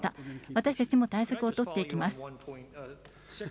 私たちも対策をとっていきます。